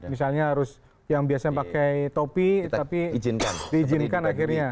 misalnya harus yang biasanya pakai topi tapi diizinkan akhirnya